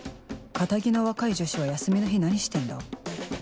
堅気の若い女子は休みの日何してんだ？